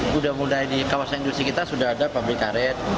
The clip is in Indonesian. sudah mulai di kawasan industri kita sudah ada pabrik karet